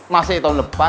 masih tahun depan